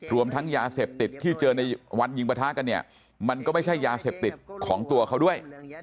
รวมทั้งยาเสพติดที่เจอในวันยิงประทะกันเนี่ยมันก็ไม่ใช่ยาเสพติดของตัวเขาด้วย